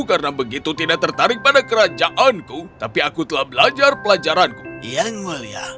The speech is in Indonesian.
karena begitu tidak tertarik pada kerajaanku tapi aku telah belajar pelajaran yang mulia